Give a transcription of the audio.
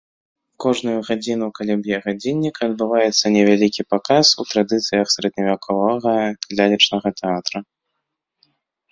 Кожную гадзіну, калі б'е гадзіннік, адбываецца невялікі паказ у традыцыях сярэдневяковага лялечнага тэатра.